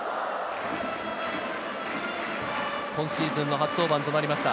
今シーズンの初登板となりました。